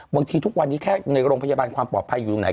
ทุกวันนี้แค่ในโรงพยาบาลความปลอดภัยอยู่ตรงไหน